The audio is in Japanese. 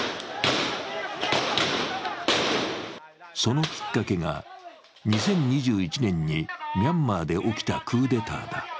そのきっかけが、２０２１年にミャンマーで起きたクーデターだ。